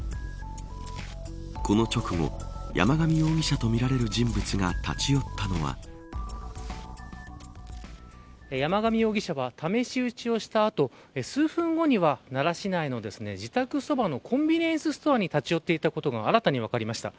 この直後山上容疑者とみられる人物が山上容疑者は試し撃ちをした後数分後には、奈良市内の自宅そばのコンビニエンスストアに立ち寄っていたことが新たに分かりました。